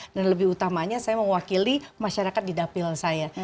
dan lebih utamanya saya mewakili masyarakat di dapil saya